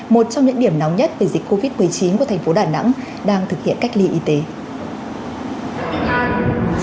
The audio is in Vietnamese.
một trong những điểm nóng nhất về dịch covid một mươi chín của thành phố đà nẵng đang thực hiện cách ly y tế